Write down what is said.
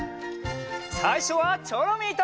さいしょはチョロミーと。